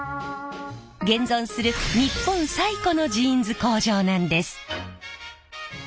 現存する日本最古のジーンズ工場なんです。